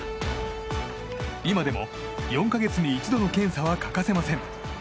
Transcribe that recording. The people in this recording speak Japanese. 今でも、４か月に一度の検査は欠かせません。